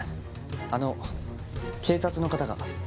あの警察の方が。